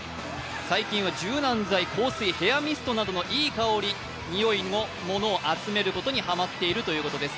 最近は柔軟剤、香水、ヘアミストなどのいい香り、においのものを集めることにハマっているということです。